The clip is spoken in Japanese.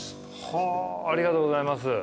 はぁありがとうございます。